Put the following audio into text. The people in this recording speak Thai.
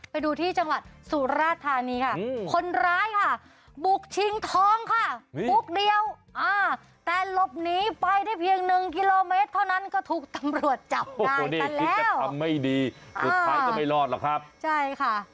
ไปดูที่จังหวัดสุราธานีค่ะคนร้ายค่ะบุกชิงทองค่ะบุกเดียวแต่ลบหนีไปได้เพียง๑กิโลเมตรเท่านั้นก็ถูกตำรวจจับได้กันแล้ว